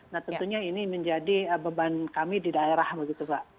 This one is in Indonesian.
nah tentunya ini menjadi beban kami di daerah begitu pak